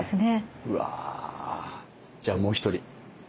うわじゃあもう一人。